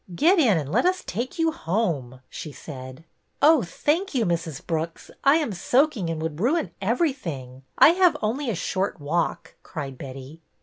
'' Get in, and let us take you home," she said. Oh, thank you, Mrs. Brooks, I am soaking and would ruin everything. I have only a short walk," cried Betty.